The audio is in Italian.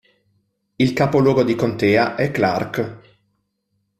Il capoluogo di contea è Clark.